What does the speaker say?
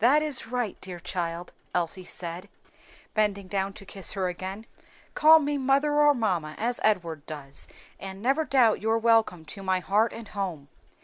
"That is right, dear child," Elsie said, bending down to kiss her again, "call me mother or mamma, as Edward does, and never doubt your welcome to my heart and home.